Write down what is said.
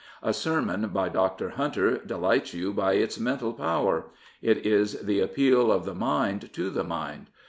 A sermon by Dr. Hunter delights you by its mental power. It is the appeal of the mind to the mind.